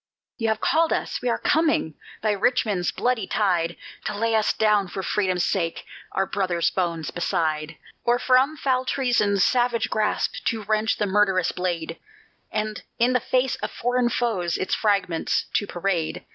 You have called us, and we're coming, by Richmond's bloody tide To lay us down, for Freedom's sake, our brothers' bones beside, Or from foul treason's savage grasp to wrench the murderous blade, And in the face of foreign foes its fragments to parade.